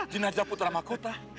jenazah putra makota